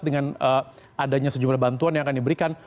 dengan adanya sejumlah bantuan yang akan diberikan